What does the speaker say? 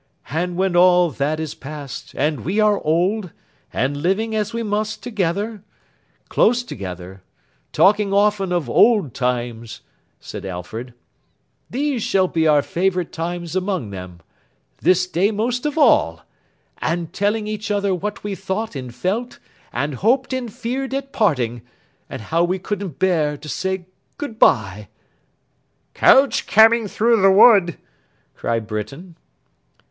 'And when all that is past, and we are old, and living (as we must!) together—close together—talking often of old times,' said Alfred—'these shall be our favourite times among them—this day most of all; and, telling each other what we thought and felt, and hoped and feared at parting; and how we couldn't bear to say good bye—' 'Coach coming through the wood!' cried Britain.